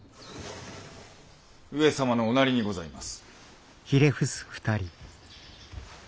上様のおなりにございます。